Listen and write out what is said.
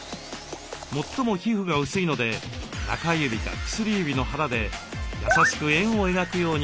最も皮膚が薄いので中指か薬指の腹で優しく円を描くように泡を転がします。